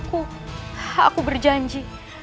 aku aku berjanji